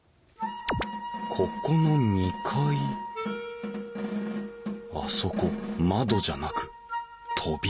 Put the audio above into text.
ここの２階あそこ窓じゃなく扉だ。